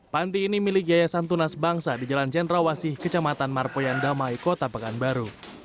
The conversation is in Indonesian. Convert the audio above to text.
panti ini milik yayasan tunas bangsa di jalan jendrawasih kecamatan markoyan damai kota pekanbaru